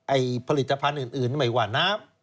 ผลิตภัณฑ์อื่นไม่ว่าน้ำ